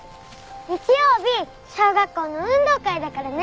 日曜日小学校の運動会だからね。